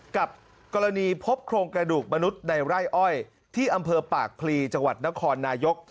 กับกรณีพบโครงกระดูกมนุษย์ในไร่อ้อยที่อำเภอปากพลีจังหวัดนครนายก